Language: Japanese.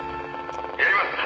「やります！」